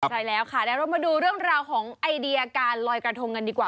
เดี๋ยวเรามาดูเรื่องราวของไอเดียการลอยกระทงอันดีกว่า